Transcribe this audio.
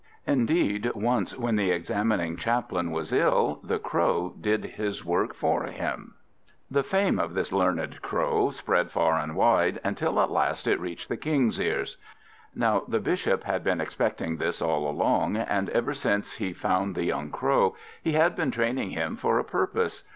Indeed, once when the examining Chaplain was ill, the Crow did his work for him. The fame of this learned Crow spread far and wide, until at last it reached the King's ears. Now the Bishop had been expecting this all along, and ever since he found the young Crow he had been training him for a purpose.